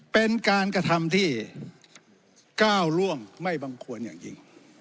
เป็นการกระทำที่ก้าวล่วงไม่บังควรอย่างยิ่ง